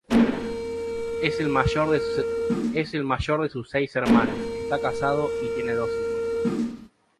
Es el mayor de sus seis hermanos, está casado y tiene dos hijos.